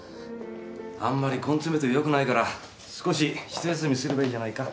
あんまり根詰めてもよくないから少しひと休みすればいいじゃないか。